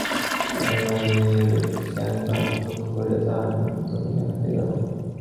হেমনলিনীর এইরূপ ম্লানভাব লক্ষ্য করিয়া তাঁহার মন দমিয়া গেল।